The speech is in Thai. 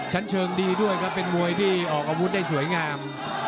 ชั้นเชิงดีด้วยครับเป็นมวยที่ออกอาวุธได้สวยงาม